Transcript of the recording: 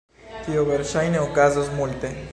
Tio verŝajne okazos multe.